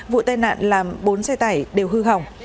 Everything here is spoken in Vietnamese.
vụ tai nạn làm bốn xe tải đều hư hỏng